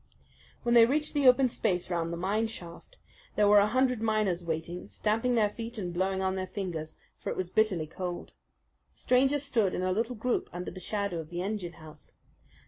When they reached the open space round the mine shaft there were a hundred miners waiting, stamping their feet and blowing on their fingers; for it was bitterly cold. The strangers stood in a little group under the shadow of the engine house.